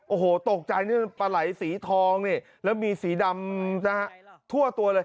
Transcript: โอ้โหตกใจนี่ปลาไหล่สีทองนี่แล้วมีสีดำตัวแล้ว